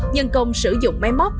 nhân công sử dụng máy móc